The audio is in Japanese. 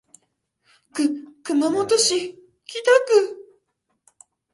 熊本市北区